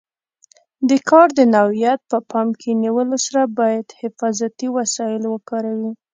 د کار د نوعیت په پام کې نیولو سره باید حفاظتي وسایل وکاروي.